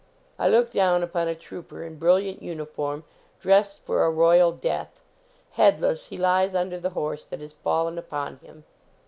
I look down upon a trooper in brilliant uniform, dressed for a royal death headless he lies under the horse that has fallen upon him.